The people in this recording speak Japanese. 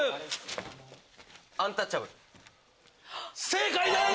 正解です。